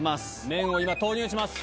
麺を今投入します。